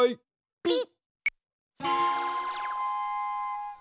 ピッ！